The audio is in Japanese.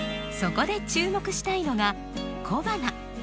そこで注目したいのが小花。